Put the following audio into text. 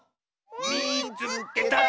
「みいつけた！」。